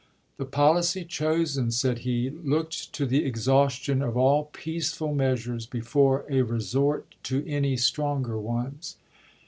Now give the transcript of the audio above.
"The policy chosen," said he, " looked to the exhaustion of all peaceful measures before a resort to any stronger ones.